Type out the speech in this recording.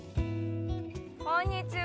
こんにちは。